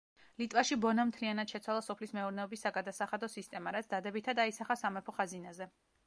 ლიტვაში ბონამ მთლიანად შეცვალა სოფლის მეურნეობის საგადასახადო სისტემა, რაც დადებითად აისახა სამეფო ხაზინაზე.